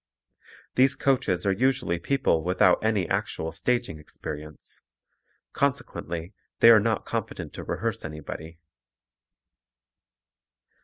These coaches are usually people without any actual staging experience, consequently they are not competent to rehearse anybody.